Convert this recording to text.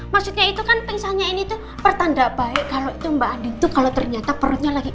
maksudnya itu kan pingsannya ini tuh pertanda baik kalau itu mbak adi itu kalau ternyata perutnya lagi